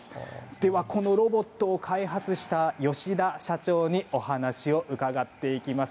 ではこのロボットを開発した吉田社長にお話を伺っていきます。